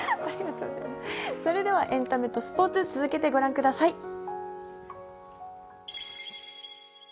それでは、エンタメとスポーツ、続けてご覧ください。